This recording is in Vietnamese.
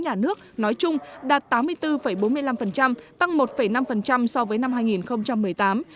nhà nước nói chung đạt tám mươi bốn bốn mươi năm tăng một năm so với năm hai nghìn một mươi tám